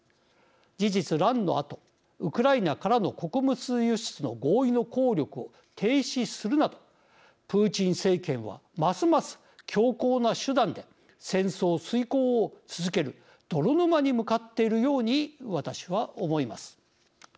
事実乱のあとウクライナからの穀物輸出の合意の効力を停止するなどプーチン政権はますます強硬な手段で戦争遂行を続ける泥沼に向かっているように私は思います。